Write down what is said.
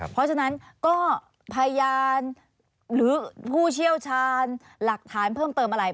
เพราะฉะนั้นก็พยานหรือผู้เชี่ยวชาญหลักฐานเพิ่มเติมอะไร